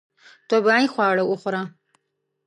طبیعي خواړه وخوره.